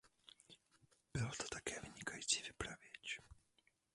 Byl to také vynikající vypravěč.